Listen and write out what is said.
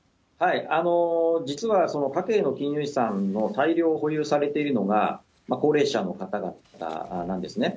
実は家計の金融資産の大量保有されているのが高齢者の方々なんですね。